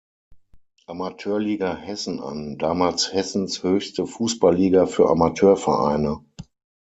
Amateurliga Hessen an, damals Hessens höchste Fußballliga für Amateurvereine.